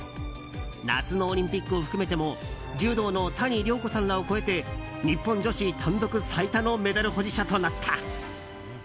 夏のオリンピックを含めても柔道の谷亮子さんらを超えて日本女子単独最多のメダル保持者となった。